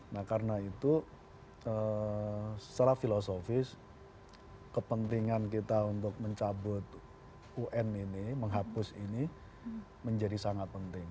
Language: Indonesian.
nah karena itu secara filosofis kepentingan kita untuk mencabut un ini menghapus ini menjadi sangat penting